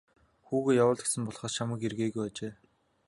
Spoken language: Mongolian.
Хүүгээ явуул гэсэн болохоос чамайг ир гээгүй гэжээ.